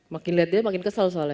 makin liat dia makin kesel soalnya